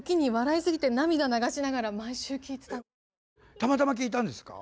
たまたま聞いたんですか？